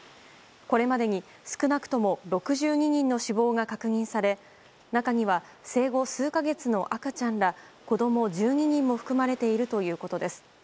これまでに６２人の死亡が確認され中には生後数か月の赤ちゃんら子供１２人も含まれているということです。